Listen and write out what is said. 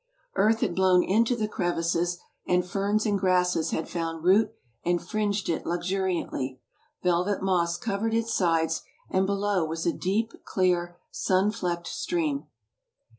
Earth had blown into the crevices, and ferns and grasses had found root and fringed it luxuriandy. Velvet moss covered its sides and below was a deep, clear, sun flecked stream.